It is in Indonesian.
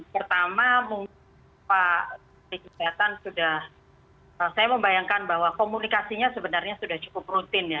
pertama mbak desaf sudah saya membayangkan bahwa komunikasinya sebenarnya sudah cukup rutin ya